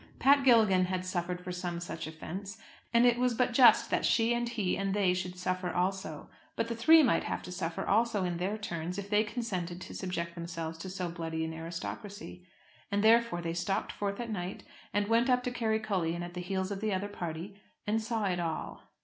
Pat Gilligan had suffered for some such offence, and it was but just that she and he and they should suffer also. But the three might have to suffer, also, in their turns, if they consented to subject themselves to so bloody an aristocracy. And therefore they stalked forth at night and went up to Kerrycullion, at the heels of the other party, and saw it all.